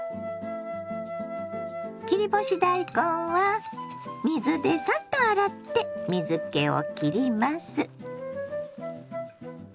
切り干し大根は水でサッと洗って水けをきります。